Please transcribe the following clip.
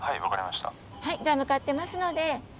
はいでは向かってますので。